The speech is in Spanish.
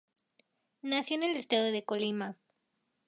Nació en el estado de Colima.